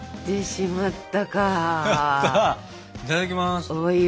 いただきます。